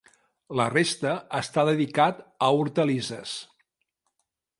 La resta està dedicat a hortalisses.